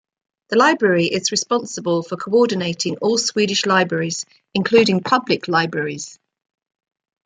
The library is responsible for coordinating all Swedish libraries, including public libraries.